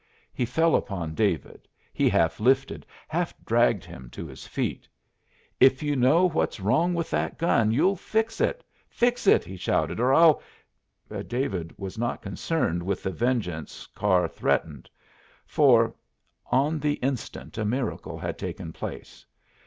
He fell upon David. He half lifted, half dragged him to his feet. "If you know what's wrong with that gun, you fix it! Fix it," he shouted, "or I'll " David was not concerned with the vengeance Carr threatened. For, on the instant a miracle had taken place.